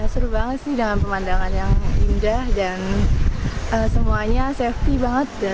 seru banget sih dengan pemandangan yang indah dan semuanya safety banget